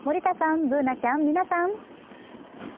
Ｂｏｏｎａちゃん、皆さん。